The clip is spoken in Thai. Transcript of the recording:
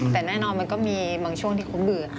แต่แน่นอนมันก็มีบางช่วงที่คุ้มมือ